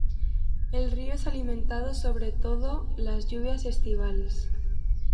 El río es alimentado sobre todo las lluvias estivales.